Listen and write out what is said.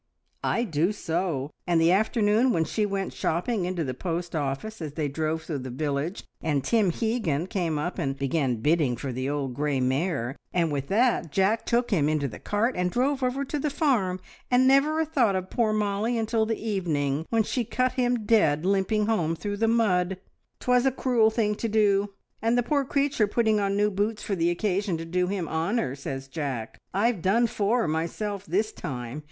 "I do so! And the afternoon when she went shopping into the post office as they drove through the village, and Tim Hegan came up and began bidding for the old grey mare, and with that Jack took him into the cart and drove over to the farm, and never a thought of poor Mollie until the evening, when she cut him dead limping home through the mud. 'Twas a cruel thing to do, and the poor creature putting on new boots for the occasion to do him honour, and says Jack, `I've done for myself this time!